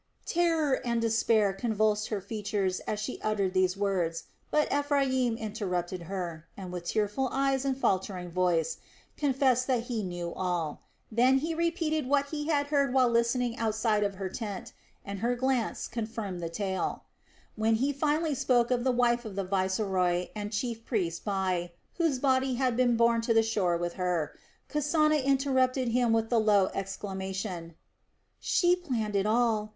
Terror and despair convulsed her features as she uttered these words; but Ephraim interrupted her and, with tearful eyes and faltering voice, confessed that he knew all. Then he repeated what he had heard while listening outside of her tent, and her glance confirmed the tale. When he finally spoke of the wife of the viceroy and chief priest Bai, whose body had been borne to the shore with her, Kasana interrupted him with the low exclamation: "She planned it all.